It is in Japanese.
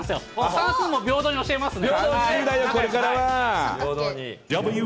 算数も平等に教えますね。